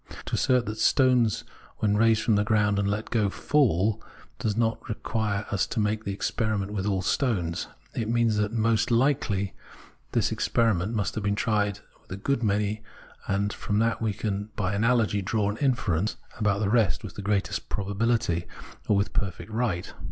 To assert that stones when raised from the ground and let go, fall, does not at all require us to make the experi ment with aU stones. It means most likely that this experiment must have been tried with a good many, and from that we can by analogy draw an inference about the rest with the greatest probabihty, or with perfect right.